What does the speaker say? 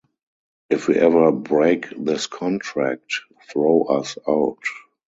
If we ever break this contract, throw us out.